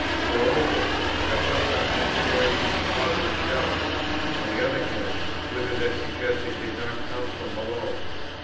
Moreover, I felt on consideration a positive doubt, on the other hand, whether the suggestion did not come from below.